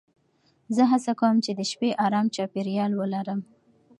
زه هڅه کوم چې د شپې ارام چاپېریال ولرم.